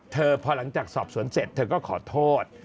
พอหลังจากสอบสวนเสร็จเธอก็ขอโทษ